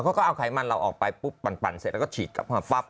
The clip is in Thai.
เขาก็เอาไขมันเราออกไปปุ๊บปั่นเสร็จแล้วก็ฉีดกลับมาปั๊บ